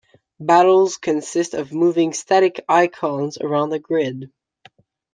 Battles consist of moving static icons around a grid.